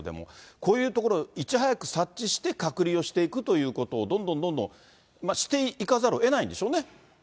こういうところ、いち早く察知して隔離をしていくということを、どんどんどんどんしていかざるをえないんでしょうね。